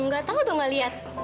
gak tau tuh gak liat